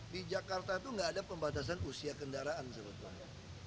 di jakarta itu nggak ada pembatasan usia kendaraan sebetulnya